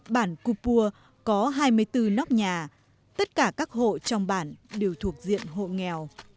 bản cô pua có hai mươi bốn nóc nhà tất cả các hộ trong bản đều thuộc diện hộ nghèo